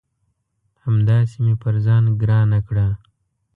همداسي مې پر ځان ګرانه کړه